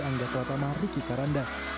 angga kelatama riki karanda